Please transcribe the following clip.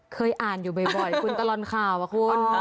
เคยอ่านอยู่บ่อยคุณตลอดข่าวอะคุณ